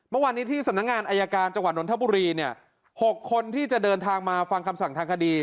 เมื่อวานนี้ที่สำนักงานอายการจังหวัดนทบุรีเนี่ย๖คนที่จะเดินทางมาฟังคำสั่งทางคดี